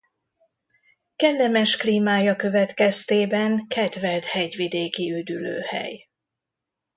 Kellemes klímája következtében kedvelt hegyvidéki üdülőhely.